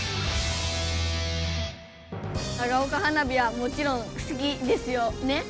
長岡花火はもちろん好きですよね？